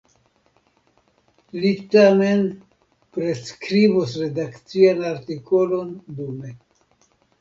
Mi tamen pretskribos redakcian artikolon dume.